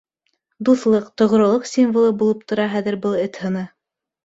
Дуҫлыҡ, тоғролоҡ символы булып тора хәҙер был эт һыны.